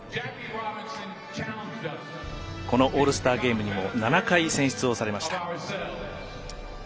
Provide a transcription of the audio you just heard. このオールスターゲームにも７回選出をされました。